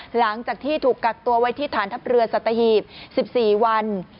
หลังจากที่ถูกกักตัวไว้ที่ฐานทัพเรือสัตหีบ๑๔วัน